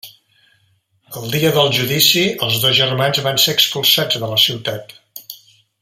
El dia del judici els dos germans van ser expulsats de la ciutat.